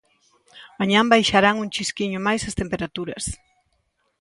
Mañá baixarán un chisquiño máis as temperaturas.